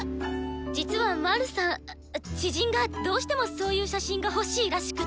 実はマルさあ知人がどうしてもそういう写真が欲しいらしくて。